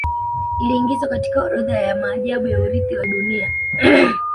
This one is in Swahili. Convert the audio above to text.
Iliiingizwa katika orodha ya maajabu ya Urithi wa Dunia